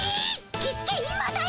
キスケ今だよ！